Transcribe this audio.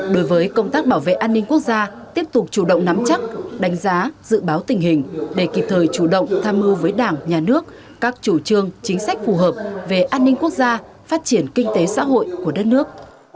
đối với công tác bảo vệ an ninh quốc gia tiếp tục chủ động nắm chắc đánh giá dự báo tình hình để kịp thời chủ động tham mưu với đảng nhà nước các chủ trương chính sách phù hợp về an ninh quốc gia phát triển kinh tế xã hội của đất nước